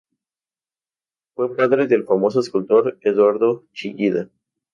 Fue padre del famoso escultor Eduardo Chillida.